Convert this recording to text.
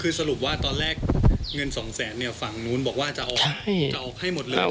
คือสรุปว่าตอนแรกเงินสองแสนเนี่ยฝั่งนู้นบอกว่าจะออกจะออกให้หมดเลย